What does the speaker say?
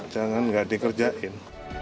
jangan nggak dikerjain